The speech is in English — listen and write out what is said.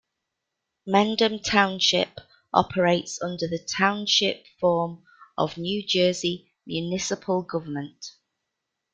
Mendham Township operates under the township form of New Jersey municipal government.